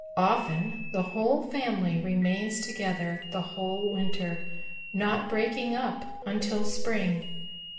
Often the whole family remains together the whole winter, not breaking up until spring.